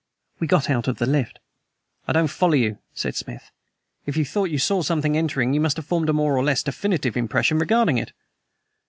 We got out of the lift. "I don't quite follow you," said Smith. "If you thought you saw something entering, you must have formed a more or less definite impression regarding it."